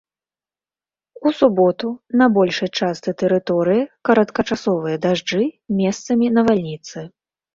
У суботу на большай частцы тэрыторыі кароткачасовыя дажджы, месцамі навальніцы.